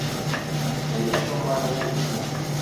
Да еще мальчик!